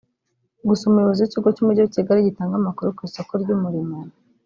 Gusa Umuyobozi w’ikigo cy’Umujyi wa Kigali gitanga amakuru ku isoko ry’umurimo